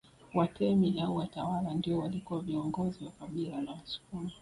Watemi au watawala ndio walikuwa viongozi wa kabila la Wasukuma